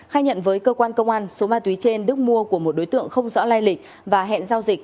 khai nhận với cơ quan công an số ma túy trên đức mua của một đối tượng không rõ lai lịch và hẹn giao dịch